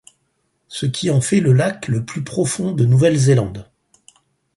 Ce qui en fait le lac le plus profond de Nouvelle-Zélande.